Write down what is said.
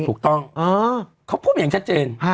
ถูกต้องเขาพูดมาอย่างชัดเจน